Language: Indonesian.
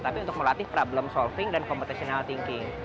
tapi untuk melatih problem solving dan competitional thinking